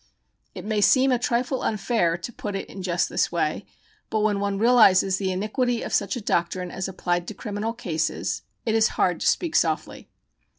It may seem a trifle unfair to put it in just this way, but when one realizes the iniquity of such a doctrine as applied to criminal cases, it is hard to speak softly.